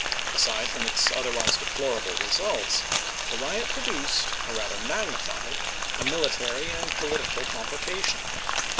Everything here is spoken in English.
Aside from its otherwise deplor able results, the riot produced, or rather magnified, a military and political complication.